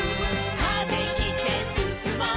「風切ってすすもう」